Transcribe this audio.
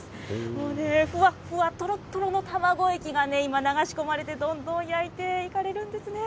もうね、ふわふわとろとろの卵液が今、流し込まれて、今、焼いていかれるんですね。